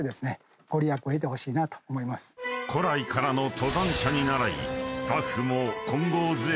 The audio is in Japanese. ［古来からの登山者に倣いスタッフも］